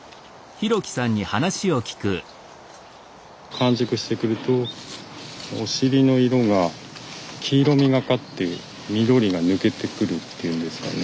完熟してくるとお尻の色が黄色みがかって緑が抜けてくるっていうんですかね。